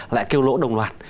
lại kêu lỗ đồng loạt